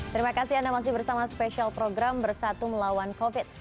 terima kasih anda masih bersama special program bersatu melawan covid sembilan belas